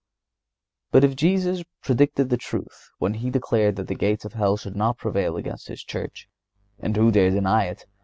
But if Jesus predicted the truth when He declared that the gates of hell should not prevail against His Church—and who dare deny it?